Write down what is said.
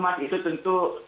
mas itu tentu